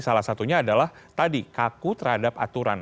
salah satunya adalah tadi kaku terhadap aturan